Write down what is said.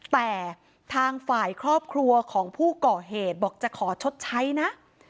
แต่ทางฝ่ายครอบครัวของผู้ก่อเหตุบอกจะขอชดใช้นะ